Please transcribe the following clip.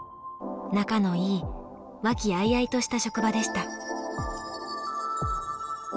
仲のいい和気あいあいとした職場でした。